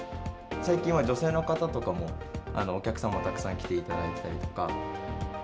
最近は女性の方とかも、お客様たくさん来ていただいたりとか。